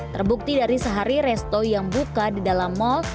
terbukti dari sehari resto yang buka di dalam mal